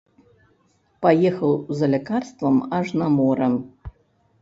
Паехаў за лякарствам аж на мора.